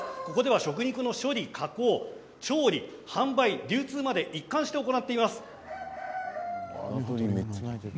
食肉の調理、加工、販売、流通まで一貫して行っています。